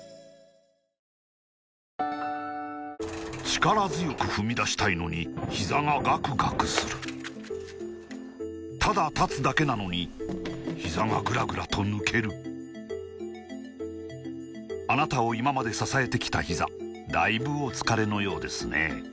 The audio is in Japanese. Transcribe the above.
力強く踏み出したいのにひざがガクガクするただ立つだけなのにひざがグラグラと抜けるあなたを今まで支えてきたひざだいぶお疲れのようですね